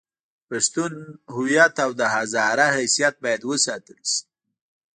د پښتون هویت او د هزاره حیثیت باید وساتل شي.